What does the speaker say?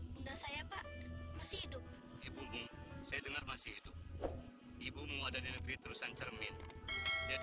bunda saya pak masih hidup ibumu saya dengar masih hidup ibumu ada di negeri terusan cermin jadi